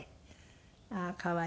ああ可愛い。